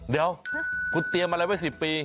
เดี๋ยวคุณเตรียมอะไรไว้๑๐ปี